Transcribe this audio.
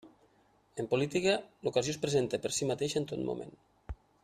En política, l'ocasió es presenta per si mateixa en tot moment.